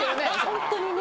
ホントにね